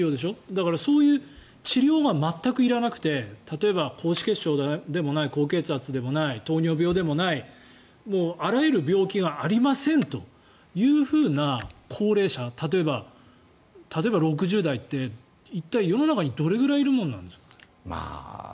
だから、そういう治療が全くいらなくて例えば高脂血症でもない高血圧でもない糖尿病でもない、あらゆる病気がありませんというふうな高齢者例えば、６０代って一体、世の中にどれくらいいるものなんですか？